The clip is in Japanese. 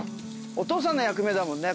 お父さんの役目だもんね。